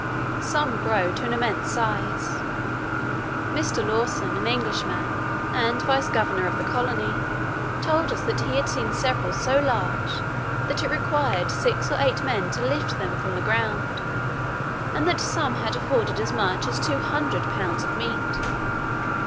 Some grow to an immense size: Mr. Lawson, an Englishman, and vice governor of the colony, told us that he had seen several so large, that it required six or eight men to lift them from the ground; and that some had afforded as much as two hundred pounds of meat.